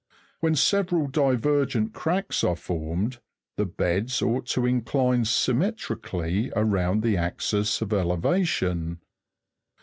When several divergent cracS are formed (.256),the beds ought to incline symmetrically around the axis of elevation.